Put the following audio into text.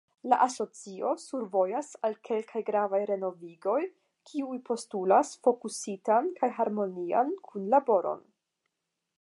“La Asocio survojas al kelkaj gravaj renovigoj, kiuj postulas fokusitan kaj harmonian kunlaboron.